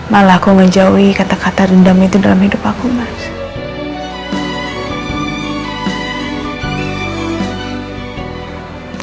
malah aku menjauhi kata kata dendam itu dalam hidup aku mas